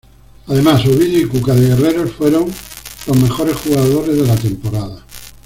Además Ovidio y Cuca de "Guerreros" fueron los mejores jugadores de la temporada.